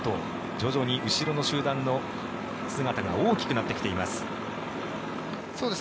徐々に後ろの集団の姿が大きくなってきています。